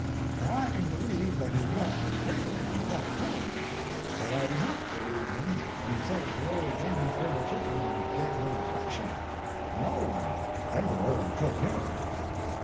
Now I can believe that he left his cradle, and left home, but I do not believe him when he says the old gentleman overtook him and gave him a thrashing; no one ever overtook him."